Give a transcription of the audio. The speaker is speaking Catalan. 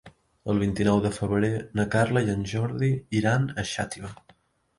El vint-i-nou de febrer na Carla i en Jordi iran a Xàtiva.